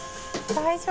大丈夫？